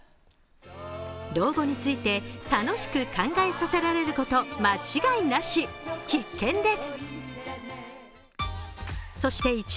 老後について楽しく考えさせられること間違いなし、必見です！